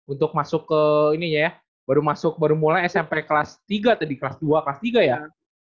untuk masuk ke ini ya baru masuk baru mulai smp kelas tiga tadi kelas dua kelas tiga ya